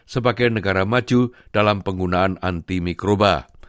sebagai negara maju dalam penggunaan antimikroba